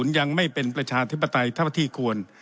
ยังไม่เป็นประชาธิปไตยเท่าที่ควร